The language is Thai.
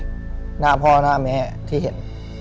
หน้าพ่อหน้าแม่ที่เห็น